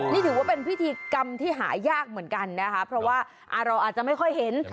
นี่ถือว่าเป็นพิธีกรรมที่หายากเหมือนกันนะคะเพราะว่าเราอาจจะไม่ค่อยเห็น